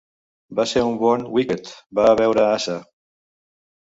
Va ser un bon Wicket, va veure ASA.